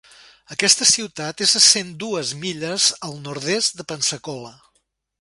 Aquesta ciutat és a cent dues milles al nord-est de Pensacola.